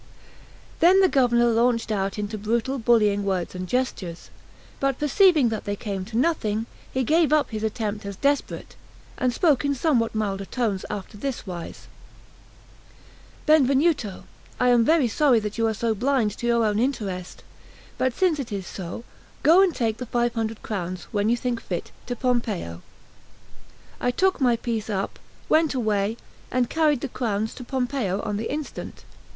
Then the Governor launched out into brutal bullying words and gestures; but perceiving that they came to nothing, he gave up his attempt as desperate, and spoke in somewhat milder tones after this wise: "Benvenuto, I am very sorry that you are so blind to your own interest; but since it is so, go and take the five hundred crowns, when you think fit, to Pompeo." I took my piece up, went away, and carried the crowns to Pompeo on the instant.